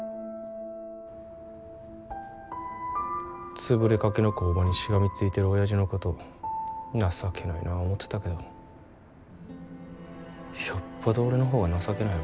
潰れかけの工場にしがみついてるおやじのこと情けないなぁ思てたけどよっぽど俺の方が情けないわ。